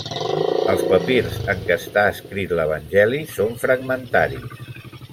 Els papirs en què està escrit l'evangeli són fragmentaris.